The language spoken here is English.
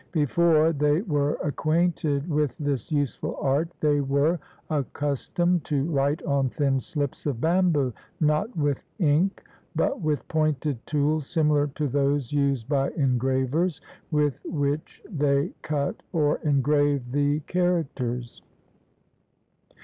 Before they were acquainted with this useful art, they were accustomed to write on thin slips of bam boo, not with ink, but with pointed tools similar to those used by engravers, with which they cut or engraved the characters.